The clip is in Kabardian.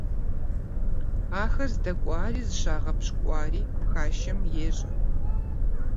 Ахэр здэкӀуари зыщагъэпщкӀуари хашэм ещӀэ.